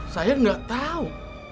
saya gak tau